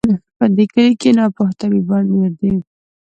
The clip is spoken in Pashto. په دې کلي کي ناپوه طبیبان ډیر دي